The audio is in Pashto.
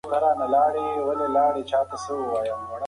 هغه سړی چې رښتیا وایي، تل په سوله کې وي.